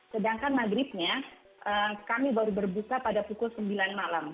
sedangkan maghribnya kami baru berbuka pada pukul sembilan malam